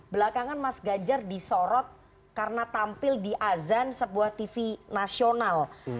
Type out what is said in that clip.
belakangan mas ganjar disorot karena tampil di azan sebuah tv nasional